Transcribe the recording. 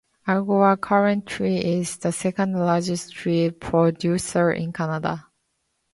Algoma currently is the second largest steel producer in Canada.